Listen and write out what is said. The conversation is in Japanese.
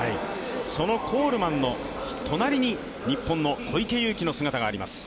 そのコールマンの隣に日本の小池祐貴の姿があります。